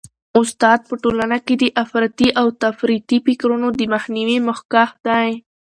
استاد په ټولنه کي د افراطي او تفریطي فکرونو د مخنیوي مخکښ دی.